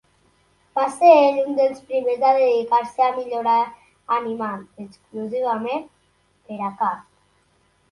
Va ser ell un dels primers a dedicar-se a millorar animals exclusivament per a carn.